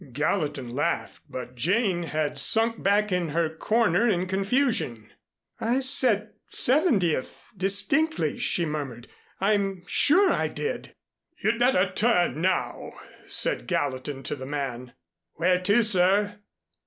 Gallatin laughed, but Jane had sunk back in her corner in confusion. "I said Seventieth distinctly," she murmured. "I'm sure I did." "You'd better turn now," said Gallatin to the man. "Where to, sir?"